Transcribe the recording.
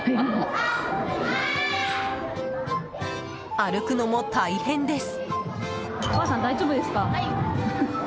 歩くのも大変です。